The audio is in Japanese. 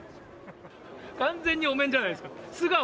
完全にお面じゃないですか。